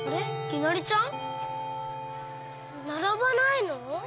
きなりちゃん？ならばないの？